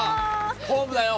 ホームだよ